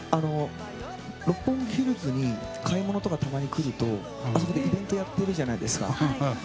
六本木ヒルズに買い物とかたまに来るとあそこでイベントやってるじゃないですか。